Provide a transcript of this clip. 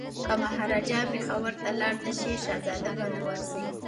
که مهاراجا پېښور ته لاړ نه شي شهزاده به نه ورځي.